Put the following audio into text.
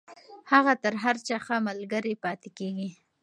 هغه تر هر چا ښه ملگرې پاتې کېږي.